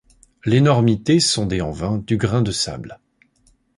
L’énormité, sondée en vain, du grain de sable ;